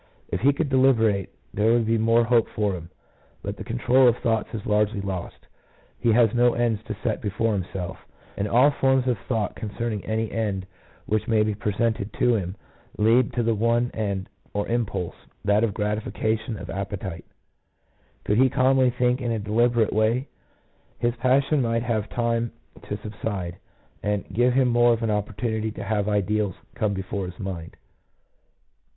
If he could deliberate, there would be more hope for him, but the control of thoughts is largely lost. He has no ends to set before himself, and all forms of thought concerning any end which may be presented to him lead to the one end or impulse, that of gratification of his appetite. Could he calmly think in a deliberate way, his passion might have time to subside, and give him more of an opportunity to have ideals come before his mind.